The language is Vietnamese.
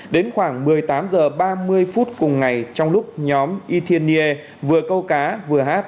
đến khoảng một mươi tám h ba mươi phút cùng ngày trong lúc nhóm ythien nghie vừa câu cá vừa hát